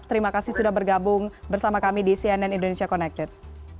terima kasih sudah bergabung bersama kami di cnn indonesia connected